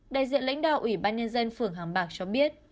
đại diện lãnh đạo ủy ban nhân dân phường hàng bạc cho biết